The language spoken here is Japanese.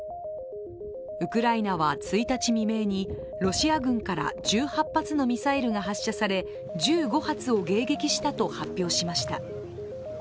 ウクライナは１日未明に、ロシア軍から１８発のミサイルが発射され１５発を迎撃したと発表しました。